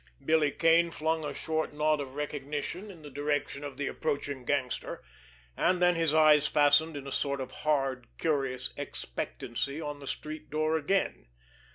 Billy Kane flung a short nod of recognition in the direction of the approaching gangster; and then his eyes fastened in a sort of hard, curious expectancy on the street door again.